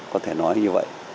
có thể nói như vậy